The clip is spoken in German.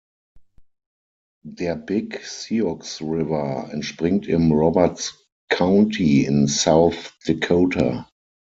Der Big Sioux River entspringt im Roberts County in South Dakota.